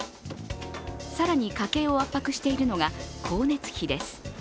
更に家計を圧迫しているのが光熱費です。